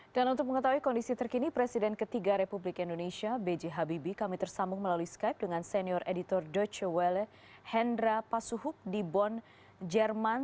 dan untuk mengetahui kondisi terkini presiden ketiga republik indonesia b j habibie kami tersambung melalui skype dengan senior editor deutsche welle hendra pasuhuk di bonn jerman